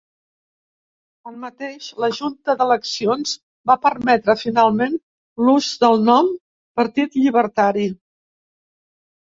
Tanmateix, la Junta d'Eleccions va permetre finalment l'ús del nom "Partit Llibertari".